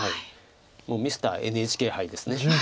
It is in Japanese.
もうミスターＮＨＫ杯です。